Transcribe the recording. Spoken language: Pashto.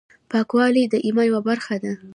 پاکوالی د ایمان یوه برخه ده۔